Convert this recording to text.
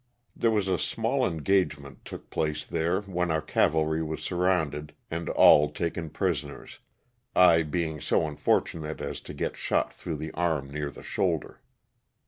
There was a small engagement took place there when our cavalry was surrounded and all taken prisoners, I being so unfortunate as to get shot through the arm near the shoulder.